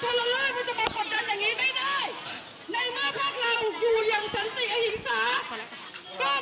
เพราะว่าทะโหลล้ายมอนจะมากดดันอย่างนี้ไม่ได้